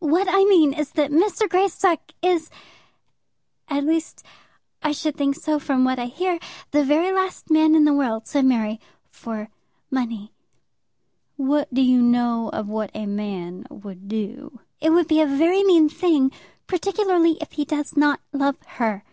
"What I mean is that Mr. Greystock is, at least, I should think so from what I hear, the very last man in the world to marry for money." "What do you know of what a man would do?" "It would be a very mean thing; particularly if he does not love her."